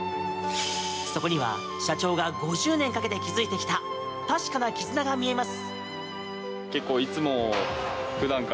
そこには、社長が５０年かけて築いてきた確かな絆が見えます。